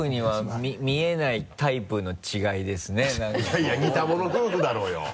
いやいや似たもの夫婦だろうよ。